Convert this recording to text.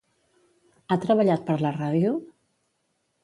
Ha treballat per la ràdio?